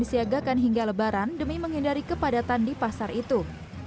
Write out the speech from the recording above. disiagakan hingga lebaran demi menghindari kepadatan di pasar itu